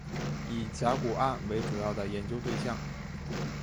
以甲钴胺为主要的研究对象。